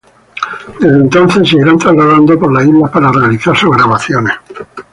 Desde entonces, se irán trasladando por las islas para realizar sus grabaciones.